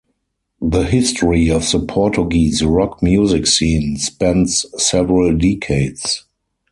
The history of the Portuguese rock music scene spans several decades.